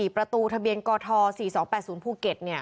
ประตูทะเบียนกท๔๒๘๐ภูเก็ต